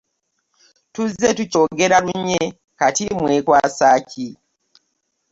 Tuzze tukyogera lunye kati mwekwasa ki?